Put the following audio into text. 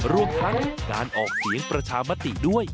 รวมทั้งการออกเสียงประชามติด้วย